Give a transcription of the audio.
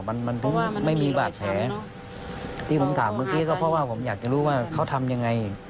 มันมันไม่มีบาดแผลที่ผมถามเมื่อกี้ก็เพราะว่าผมอยากจะรู้ว่าเขาทำยังไง